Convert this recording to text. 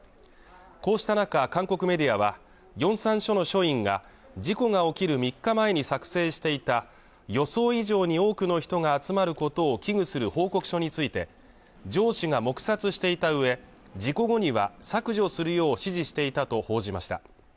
こうした中韓国メディアはヨンサン署の署員が事故が起きる３日前に作成していた予想以上に多くの人が集まることを危惧する報告書について上司が黙殺していたうえ事故後には削除するよう指示していたと報じました